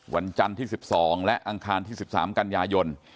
วันจันทร์ที่๑๒และอังคารที่๑๓กันยายน